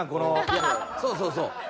いやそうそうそう。